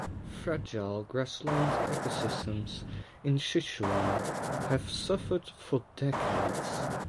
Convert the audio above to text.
Fragile grassland ecosystems in Sichuan have suffered for decades.